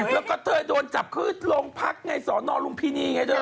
แล้วกะเทยโดนจับคืดลงพักในศรนรุงพินีไงเถอะ